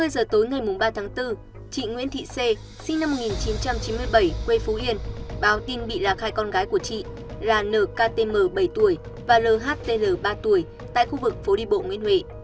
hai mươi giờ tối ngày ba tháng bốn chị nguyễn thị xê sinh năm một nghìn chín trăm chín mươi bảy quê phú yên báo tin bị lạc hai con gái của chị là nktm bảy tuổi và lhtn ba tuổi tại khu vực phố đi bộ nguyễn huệ